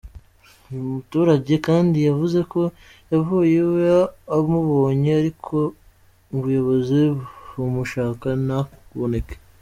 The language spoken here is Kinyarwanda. Uyu muturage kandi yavuze ko yavuye iwe amubonye ariko ko ubuyobozi bumushaka ntaboneke.